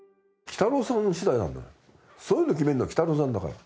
そういうの決めるのはきたろうさんだから。